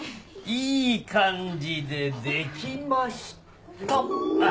いい感じでできました！